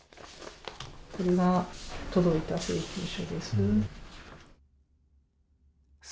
これが届いた請求書です。